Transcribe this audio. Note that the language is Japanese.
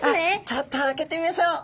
ちょっと開けてみましょう！